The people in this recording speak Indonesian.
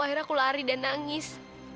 akhirnya aku lari dan nangis